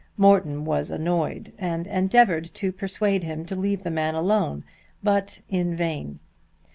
Morton was annoyed and endeavoured to persuade him to leave the man alone; but in vain.